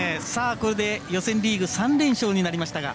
これで予選リーグ３連勝になりましたが。